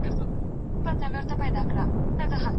پر اوږو مي ژوندون بار دی ورځي توري، شپې اوږدې دي.